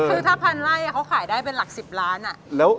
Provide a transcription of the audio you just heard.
ก็ถ้าว่าพันไร่เขาขายได้เป็นหลักสิบล้านอะ